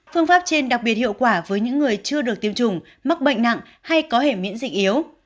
phương pháp trên đặc biệt hiệu quả với những người chưa được tiêm chủng mắc bệnh nặng hay có hệ miễn dịch yếu